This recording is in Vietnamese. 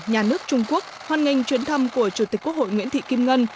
nhà nước trung quốc hoan nghênh chuyến thăm của chủ tịch quốc hội nguyễn thị kim ngân